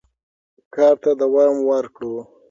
کار ته دوام ورکړو.